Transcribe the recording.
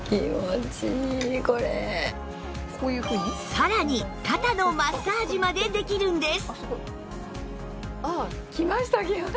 さらに肩のマッサージまでできるんです